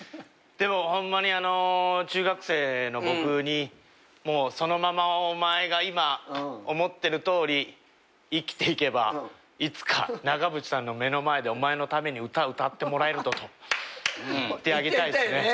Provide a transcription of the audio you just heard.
でもホンマにあの中学生の僕にそのままお前が今思ってるとおり生きていけばいつか長渕さんの目の前でお前のために歌歌ってもらえると言ってあげたいですね。